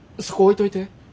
そこ置いといて。